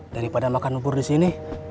daripada makan bubur disini